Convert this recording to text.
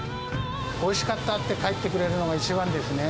おいしかったって帰ってくれるのが一番ですね。